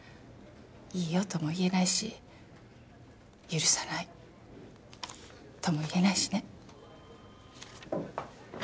「いいよ」とも言えないし「許さない」とも言えないしね。